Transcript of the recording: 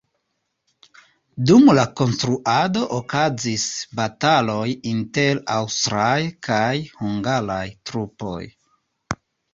Dum la konstruado okazis bataloj inter aŭstraj kaj hungaraj trupoj.